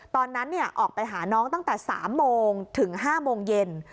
ตอนนั้นออกไปหาน้องตั้งแต่๓โมงถึง๕โมงเย็น